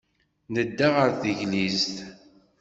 Nedda ɣer teglizt.